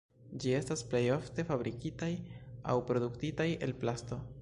Ĝi estas plej ofte fabrikitaj aŭ produktitaj el plasto.